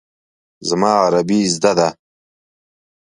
زما عربي زده ده.